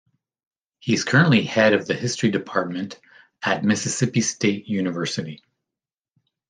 He is currently head of the history department at Mississippi State University.